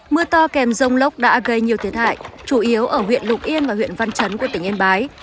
mưa to kèm rông lốc đã gây nhiều thiệt hại chủ yếu ở huyện lục yên và huyện văn chấn của tỉnh yên bái